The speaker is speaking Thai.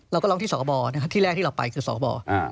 เราก็ร้องที่สคบที่แรกที่เราไปคือสบ